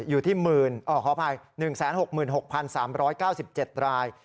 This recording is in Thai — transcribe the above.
อยู่ที่ขออภัย๑๖๖๓๙๗ราย